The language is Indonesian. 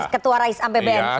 ketua raisam pbnu